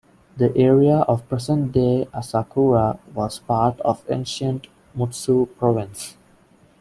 The area of present-day Asakura was part of ancient Mutsu Province.